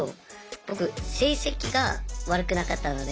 僕成績が悪くなかったので。